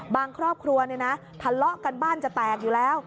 ครอบครัวทะเลาะกันบ้านจะแตกอยู่แล้ว